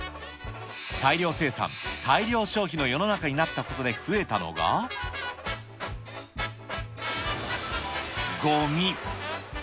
大量生産、大量消費の世の中になったことで増えたのが、ごみ。